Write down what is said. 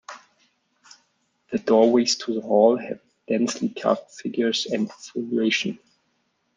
The doorways to the hall have densely carved figures and foliation.